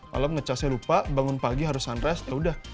malam ngecasnya lupa bangun pagi harus sunrise ya udah